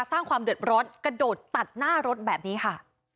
สร้างความเดือดร้อนกระโดดตัดหน้ารถแบบนี้ค่ะ